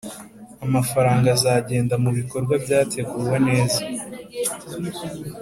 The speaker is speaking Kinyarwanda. amafaranga azagenda mu bikorwa byateguwe neza